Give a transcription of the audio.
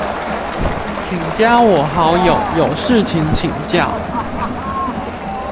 請加我好友，有事情請教